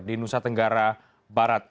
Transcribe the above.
di nusa tenggara barat